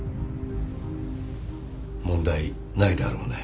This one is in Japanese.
問題ないだろうね？